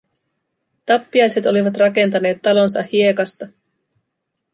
Tappiaiset olivat rakentaneet talonsa hiekasta.